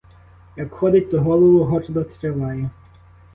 Як ходить, то голову гордо триває.